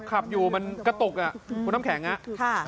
ขับอยู่มันกระตุกอ่ะคุณน้ำแข็งอ่ะ